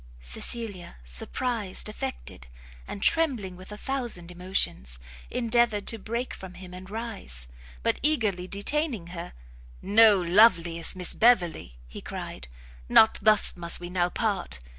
Cecilia, surprised, affected, and trembling with a thousand emotions, endeavoured to break from him and rise; but, eagerly detaining her, "No, loveliest Miss Beverley," he cried, "not thus must we now part!